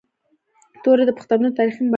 توره د پښتنو د تاریخي مبارزو نښه ده.